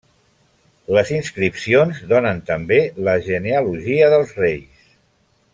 Les inscripcions donen també la genealogia dels reis.